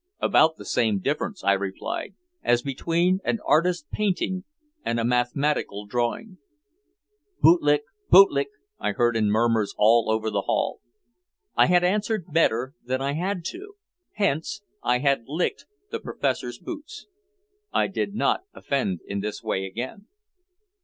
"About the same difference," I replied, "as between an artist's painting and a mathematical drawing." "Bootlick, bootlick," I heard in murmurs all over the hall. I had answered better than I had to. Hence I had licked the professor's boots. I did not offend in this way again.